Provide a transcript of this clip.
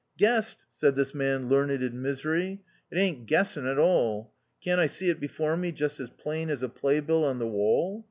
"Guessed!" said this man learned in misery, "it ain't guessing at all. Can't I see it before me just as plain as a play bill on the wall